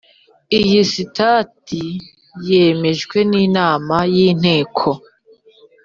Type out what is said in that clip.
Iyi sitati yemejwe n inama y inteko